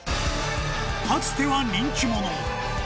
かつては人気者